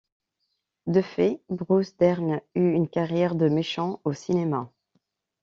De fait, Bruce Dern eut une carrière de méchants au cinéma.